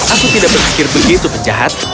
aku tidak berpikir begitu penjahat